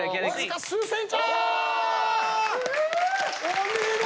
お見事！